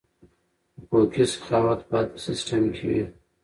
حقوقي سخاوت باید په سیستم کې وي.